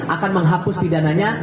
akan menghapus pidananya